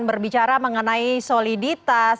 berbicara mengenai soliditas